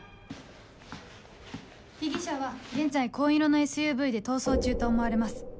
被疑者は現在紺色のＳＵＶで逃走中と思われます。